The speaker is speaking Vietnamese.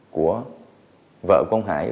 của vợ của ông hải